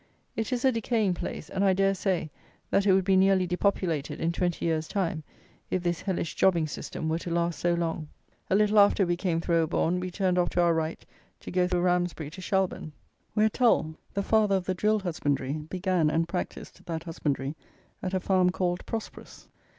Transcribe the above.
It is a decaying place; and, I dare say, that it would be nearly depopulated, in twenty years' time, if this hellish jobbing system were to last so long. A little after we came through Auborne, we turned off to our right to go through Ramsbury to Shallburn, where Tull, the father of the drill husbandry, began and practised that husbandry at a farm called "Prosperous."